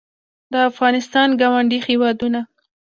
د افغانستان ګاونډي هېوادونه